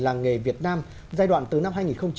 làng nghề việt nam giai đoạn từ năm hai nghìn hai mươi một